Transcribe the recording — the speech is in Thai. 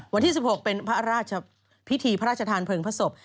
วันที่๑๖เป็นพระราชพิธีพระราชทานเพลิงพระศพ